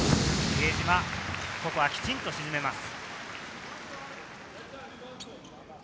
比江島、ここはきちんと沈めます。